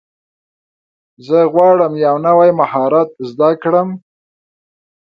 زه غواړم یو نوی مهارت زده کړم.